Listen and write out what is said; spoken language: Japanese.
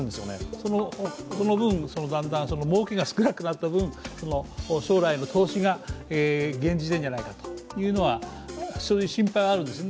その分、もうけが少なくなった分将来の投資が減じてるんじゃないかそういう心配があるんですね。